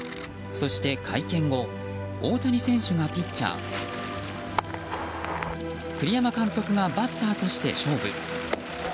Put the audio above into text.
そして会見後大谷選手がピッチャー栗山監督がバッターとして勝負。